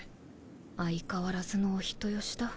相変わらずのお人よしだ。